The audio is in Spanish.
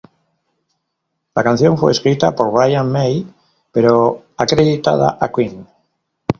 La canción fue escrita por Brian May pero acreditada a Queen.